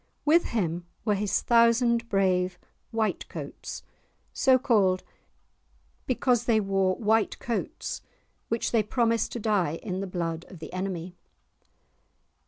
With him were his thousand brave "White coats," so called because they wore white coats which they promised to dye in the blood of the enemy.